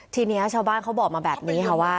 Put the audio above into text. ทีนี้ชาวบ้านเขาบอกมาแบบนี้ค่ะว่า